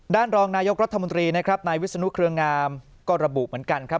รองนายกรัฐมนตรีนะครับนายวิศนุเครืองามก็ระบุเหมือนกันครับ